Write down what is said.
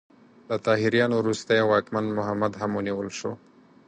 د طاهریانو وروستی واکمن محمد هم ونیول شو.